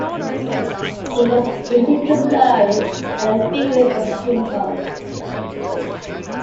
It was easy to blow and the fingering was simple.